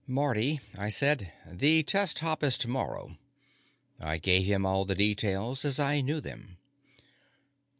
"Marty," I said, "the test hop is tomorrow." I gave him all the details as I knew them.